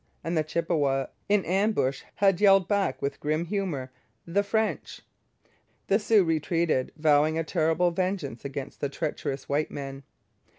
and the Chippewas, in ambush, had yelled back with grim humour, 'The French.' The Sioux retreated, vowing a terrible vengeance against the treacherous white men.